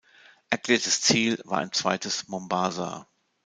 Erklärtes Ziel war ein „zweites Mombasa“.